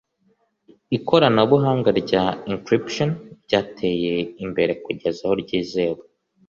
ikoranabuhanga rya encryption ryateye imbere kugeza aho ryizewe